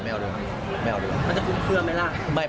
มันจะคุ้มเครื่องไหมล่ะ